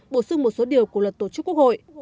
bổ sung một số điều của luật tổ chức quốc hội